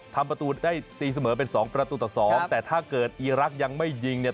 ทำประตูได้ตีเสมอเป็นสองประตูต่อสองแต่ถ้าเกิดอีรักษ์ยังไม่ยิงเนี่ย